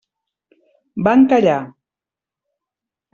Van callar.